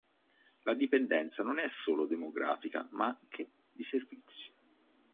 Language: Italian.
La dipendenza non è solo demografica ma anche di servizi.